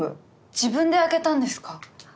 自分で開けたんですか？